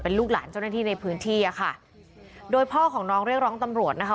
ลูกหลานเจ้าหน้าที่ในพื้นที่อ่ะค่ะโดยพ่อของน้องเรียกร้องตำรวจนะคะ